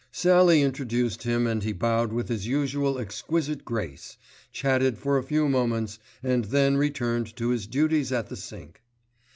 Sallie introduced him and he bowed with his usual exquisite grace, chatted for a few moments, and then returned to his duties at the sink.